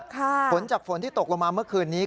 ฝนจากฝนที่ตกลงมาเมื่อคืนนี้